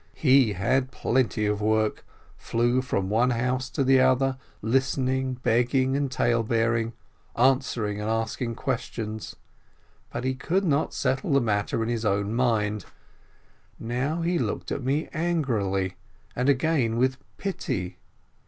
He had plenty of work, flew from one house to the other, listening, begging, and talebearing, answering and asking ques tions; but he could not settle the matter in his own mind: now he looked at me angrily, and again with pity.